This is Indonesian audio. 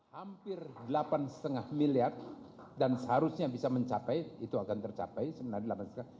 hampir rp delapan lima miliar dan seharusnya bisa mencapai itu akan tercapai sebenarnya rp delapan lima miliar